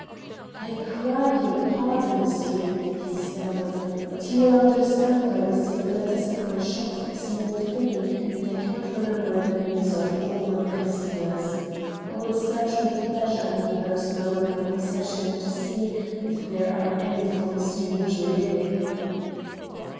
"I cry your pardon, monsieur," he stammered, "but you will understand that I receive letters at my shop for a small fee, and I cannot remember the names of all my customers. I will search with pleasure among those now in my possession to see if there are any for M. Beaujolais."